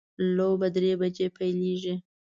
لوبه درې بجې پیلیږي